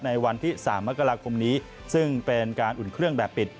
ในวันที่๓มกราคมนี้ซึ่งเป็นการอุ่นเครื่องแบบปิด